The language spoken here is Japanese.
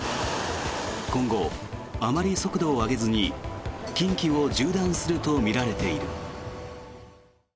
今後、あまり速度を上げずに近畿を縦断するとみられている。